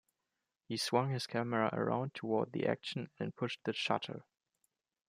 He swung his camera around toward the action and pushed the shutter.